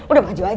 udah maju aja